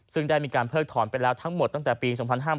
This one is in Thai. ซึ่งได้มีการเพิกถอนไปแล้วทั้งหมดตั้งแต่ปี๒๕๕๘